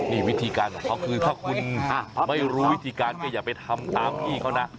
นี่วิธีการของเขาคือถ้าคุณไม่รู้วิธีการก็อย่าไปทำตามพี่เขานะ